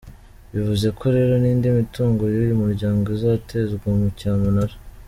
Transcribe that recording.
Bivuze ko rero n’indi mitungo y’uyu muryango izatezwa mu cyamunara.